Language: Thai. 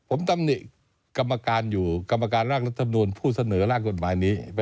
ผมตำนิกกรรมการอยู่กรรมการรากลักษณุนผู้เสนอรากฏหมายนี้